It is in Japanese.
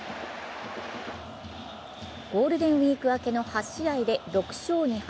ゴールデンウイーク明けの８試合で６勝２敗。